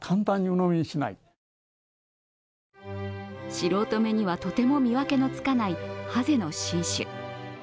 素人目にはとても見分けのつかないハゼの新種。